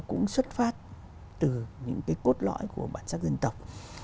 cũng xuất phát từ những cái cốt lõi của bản sắc dân tộc